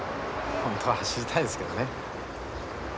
本当は走りたいですけどね。